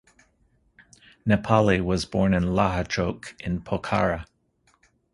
Nepali was born in Lahachowk in Pokhara.